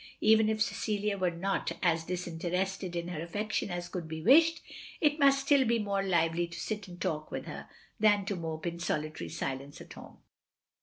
Even if Cecilia were not as disinterested in her affection as could be wished, it must still be more lively to sit and talk with her, than to mope in solitary silence at home.